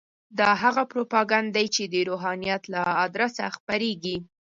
دا هغه پروپاګند دی چې د روحانیت له ادرسه خپرېږي.